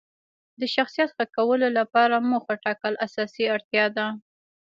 د شخصیت ښه کولو لپاره موخه ټاکل اساسي اړتیا ده.